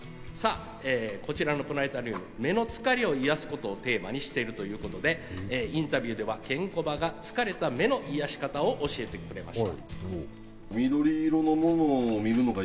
こちらのプラネタリウム、目の疲れを癒やすことをテーマにしているということで、インタビューではケンコバが疲れた目の癒やし方を教えてくれました。